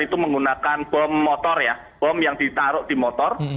itu menggunakan bom motor ya bom yang ditaruh di motor